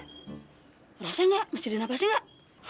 ngerasa gak masih ada napasnya gak